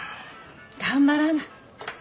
頑張らな。